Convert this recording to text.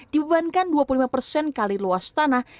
dibebankan dua puluh lima persen kali luas tanah